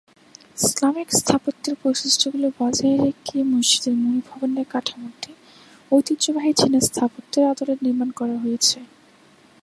Islamic স্থাপত্যের বৈশিষ্ট্যগুলি বজায় রেখে, মসজিদের মূল ভবনের কাঠামোটি ঐতিহ্যবাহী চীনা স্থাপত্যের আদলে নির্মাণ করা হয়েছে।